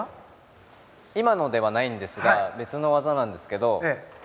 今のではないんですけど別の技なんですが。